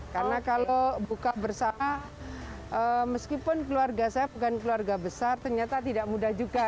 karena kalau buka bersama meskipun keluarga saya bukan keluarga besar ternyata tidak mudah juga